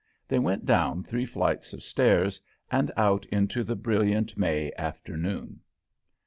They went down three flights of stairs and out into the brilliant May afternoon.